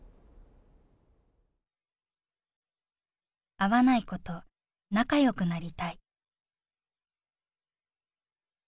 「合わない子と仲良くなりたい」。